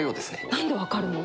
なんで分かるの？